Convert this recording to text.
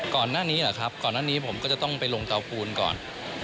ก่อนหน้านี้เหรอครับก่อนหน้านี้ผมก็จะต้องไปลงเตาปูนก่อน